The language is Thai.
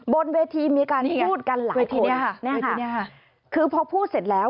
บนเวทีมีการพูดกันหลายเวทีคือพอพูดเสร็จแล้ว